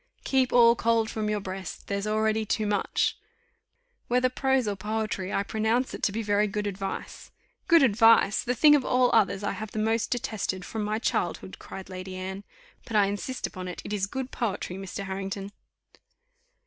'Keep all cold from your breast, there's already too much.'" "Whether prose or poetry, I pronounce it to be very good advice." "Good advice! the thing of all others I have the most detested from my childhood," cried Lady Anne; "but I insist upon it, it is good poetry, Mr. Harrington."